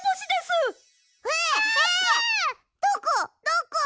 どこ？